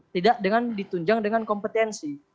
tidak ditunjang dengan kompetensi